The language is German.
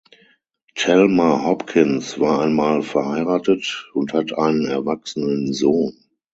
Telma Hopkins war einmal verheiratet und hat einen erwachsenen Sohn.